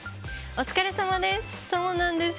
お疲れさまです！